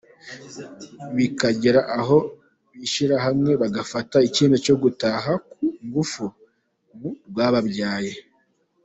Bikagera aho bishyira hamwe bagafata icyemezo cyo gutaha ku ngufu mu rwababyaye.